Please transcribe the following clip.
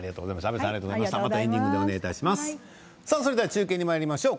中継にまいりましょう。